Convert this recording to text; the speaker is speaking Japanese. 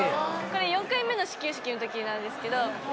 「これ４回目の始球式の時になるんですけど」